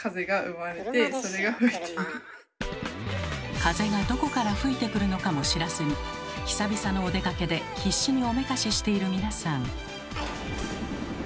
風がどこから吹いてくるのかも知らずに久々のお出かけで必死におめかししている皆さん。